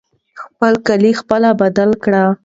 خپل کالي خپله بدل کړئ.